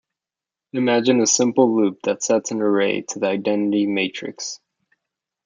Imagine a simple loop that sets an array to the identity matrix.